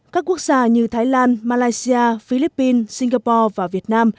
các quốc gia như thái lan malaysia philippines singapore và việt nam